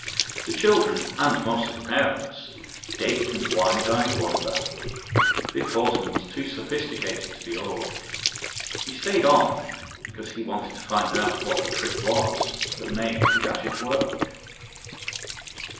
The children and most of the parents gaped in wide eyed wonder. Biff Hawton was too sophisticated to be awed. He stayed on because he wanted to find out what the trick was that made the gadget work.